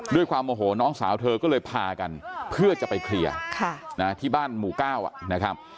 ด้วยความโมโหน้องสาวเธอก็เลยพากันเพื่อจะไปเคลียร์ที่บ้านหมู่ก้าวนะครับ